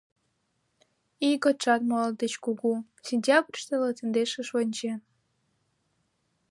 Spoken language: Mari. Ийготшат моло деч кугу: сентябрьыште латиндешыш вончен.